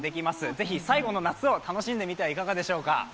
ぜひ最後の夏を楽しんでみてはいかがでしょうか。